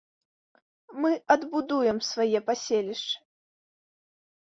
Мы адбудуем свае паселішчы.